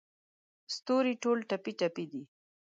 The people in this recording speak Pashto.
ستوري ټول ټپې، ټپي دی